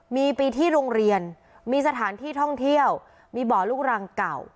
มีปีที่โรงเรียนมีสถานที่ท่องเที่ยวมีบ่อลูกรังเก่า